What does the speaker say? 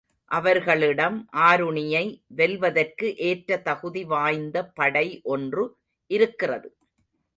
அவர்களிடம் ஆருணியை வெல்வதற்கு ஏற்ற தகுதி வாய்ந்த படை ஒன்று இருக்கிறது.